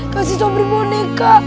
kasih sobri boneka